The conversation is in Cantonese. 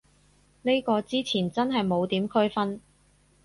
呢個之前真係冇點區分